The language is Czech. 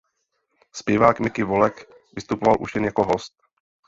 Zpěvák Miki Volek vystupoval už jen jako host.